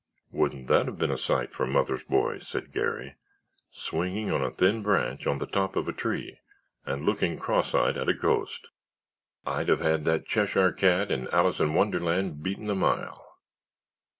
"Wouldn't that have been a sight for mother's boy!" said Garry. "Swinging on a thin branch on the top of a tree and looking cross eyed at a ghost! I'd have had that Cheshire cat in Alice in Wonderland beaten a mile."